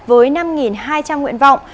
với năm hai trăm linh nguyện vọng